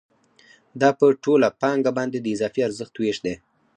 دا په ټوله پانګه باندې د اضافي ارزښت وېش دی